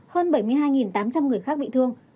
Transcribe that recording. hơn bảy mươi hai tám trăm linh người khác bị thương